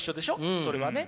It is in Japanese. それはね。